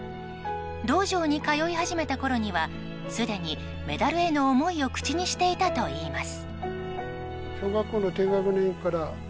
道場に通い始めたころにはすでにメダルへの思いを口にしていたといいます。